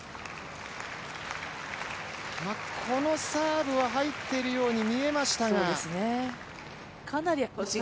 このサーブは入っているように見えましたが。